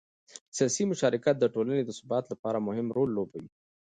سیاسي مشارکت د ټولنې د ثبات لپاره مهم رول لوبوي